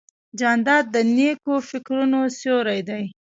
جانداد د نیکو فکرونو سیوری دی.